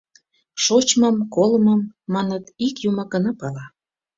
Шочмым-колымым, маныт, ик юмак гына пала.